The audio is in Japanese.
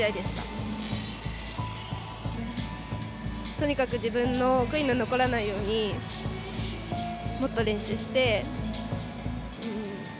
とにかく自分の悔いの残らないようにもっと練習して。